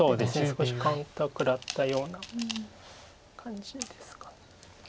少しカウンター食らったような感じですか。